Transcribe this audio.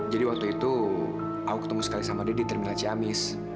jadi waktu itu aku ketemu sekali sama dia di terminal ciamis